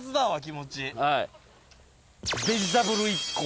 はい。